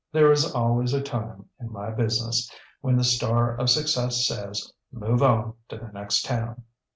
There is always a time, in my business, when the star of success says, ŌĆśMove on to the next town.